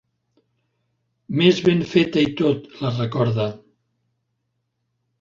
Més ben feta i tot, la recorda.